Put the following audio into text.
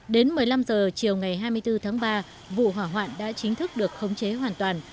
đến một mươi năm h chiều ngày hai mươi bốn tháng ba vụ hỏa hoạn đã chính thức được khống chế hoàn toàn